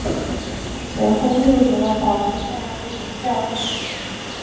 咸丰六年的保生大帝神轿一顶。